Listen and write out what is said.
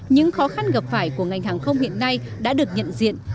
những khó khăn gặp phải của ngành hàng không hiện nay đã được nhận diện